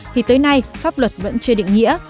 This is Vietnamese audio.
thì tới nay pháp luật vẫn chưa định nghĩa